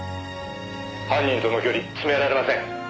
「犯人との距離詰められません」